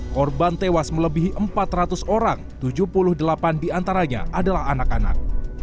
korban tewas melebihi empat ratus orang tujuh puluh delapan diantaranya adalah anak anak